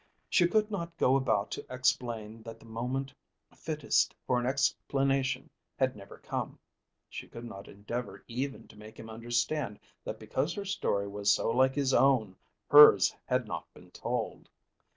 She could not go about to explain that the moment fittest for an explanation had never come. She could not endeavour even to make him understand that because her story was so like his own, hers had not been told.